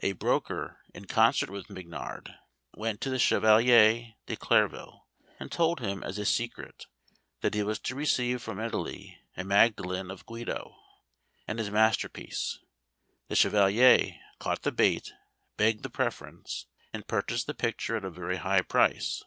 A broker, in concert with Mignard, went to the Chevalier de Clairville, and told him as a secret that he was to receive from Italy a Magdalen of Guido, and his masterpiece. The chevalier caught the bait, begged the preference, and purchased the picture at a very high price.